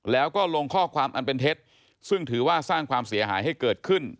แล้วก็ลงข้อความอันเป็นเท็จซึ่งถือว่าสร้างความเสียหายให้เกิดขึ้น